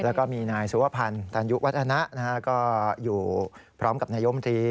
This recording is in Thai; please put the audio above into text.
แล้วก็มีนายสุวพันธ์ตันยุวัฒนะก็อยู่พร้อมกับนายมตรี